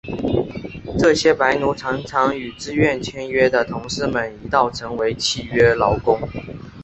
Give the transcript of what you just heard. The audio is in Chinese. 这些白奴常常与自愿签约的同事们一道成为契约劳工。